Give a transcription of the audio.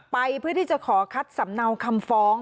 เพื่อที่จะขอคัดสำเนาคำฟ้อง